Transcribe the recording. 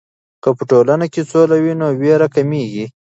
که په ټولنه کې سوله وي، نو ویر کمېږي.